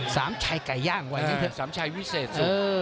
สามชัยวิเศษ